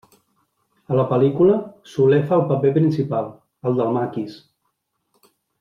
A la pel·lícula, Soler fa el paper principal, el del maquis.